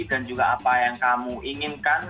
dan juga apa yang kamu inginkan